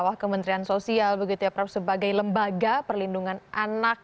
di bawah kementerian sosial sebagai lembaga perlindungan anak